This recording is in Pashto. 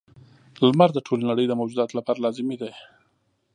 • لمر د ټولې نړۍ د موجوداتو لپاره لازمي دی.